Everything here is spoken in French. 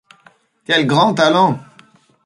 Quel grand talent !